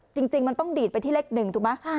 จริงจริงมันต้องดีดไปที่เลขหนึ่งถูกไหมใช่